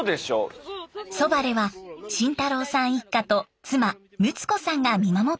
そばでは真太郎さん一家と妻むつ子さんが見守っています。